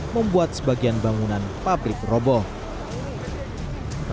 membuat sebagian bangunan pabrik roboh